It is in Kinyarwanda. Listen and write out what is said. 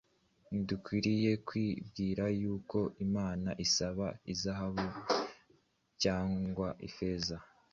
ntidukwiriye kwibwira yuko Imana isa n’izahabu cyangwa ifeza,